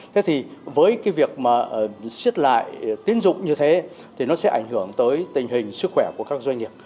thế thì với cái việc mà xiết lại tiến dụng như thế thì nó sẽ ảnh hưởng tới tình hình sức khỏe của các doanh nghiệp